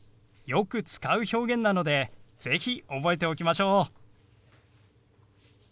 よく使う表現なので是非覚えておきましょう。